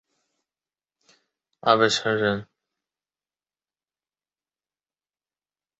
山东兖州平阴县东阿镇洪范村人。